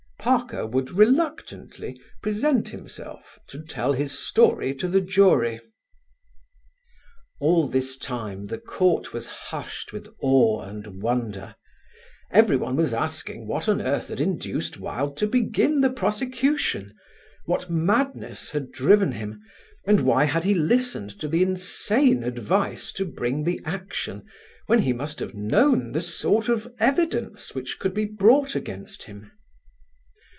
Parker would reluctantly present himself to tell his story to the jury. All this time the court was hushed with awe and wonder; everyone was asking what on earth had induced Wilde to begin the prosecution; what madness had driven him and why had he listened to the insane advice to bring the action when he must have known the sort of evidence which could be brought against him.